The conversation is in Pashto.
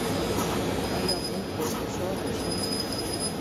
آیا موږ به خوشحاله شو؟